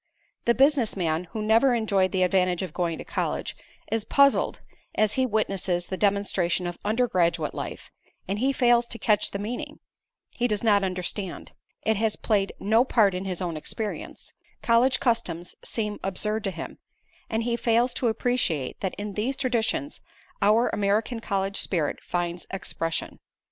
The business man who never enjoyed the advantage of going to college, is puzzled as he witnesses the demonstration of undergraduate life, and he fails to catch the meaning; he does not understand; it has played no part in his own experience; college customs seem absurd to him, and he fails to appreciate that in these traditions our American college spirit finds expression.